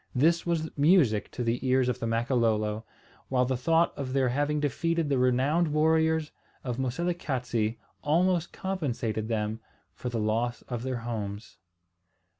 This was music to the ears of the Makololo, while the thought of their having defeated the renowned warriors of Moselekatse almost compensated them for the loss of their homes.